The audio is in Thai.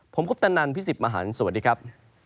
ผมกุฟตนันพี่สิบมหันสวัสดีครับ